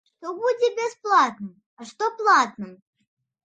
Што будзе бясплатным, а што платным?